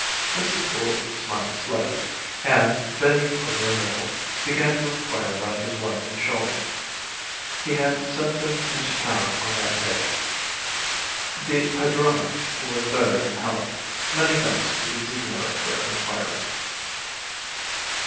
Mrs. Gould smiled slightly, and, bending over a little, began to inquire about his wife and children. He had sent them into town on that day. The padrona was better in health; many thanks to the signora for inquiring.